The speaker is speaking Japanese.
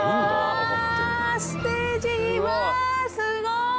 すごい。